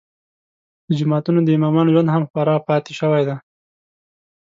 د جوماتونو د امامانو ژوند هم خوار پاتې شوی دی.